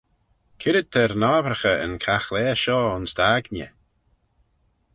C'red t'er n'obbraghey yn caghlaa shoh ayns dt'aigney?